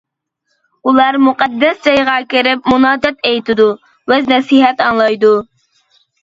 ئۇلار مۇقەددەس جايغا كىرىپ مۇناجات ئېيتىدۇ، ۋەز-نەسىھەت ئاڭلايدۇ.